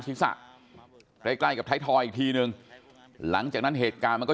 ศีรษะใกล้ใกล้กับไทยทอยอีกทีนึงหลังจากนั้นเหตุการณ์มันก็